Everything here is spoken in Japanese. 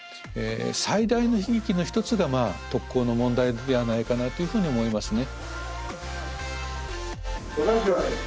最大の悲劇の一つが特攻の問題ではないかなというふうに思いますね。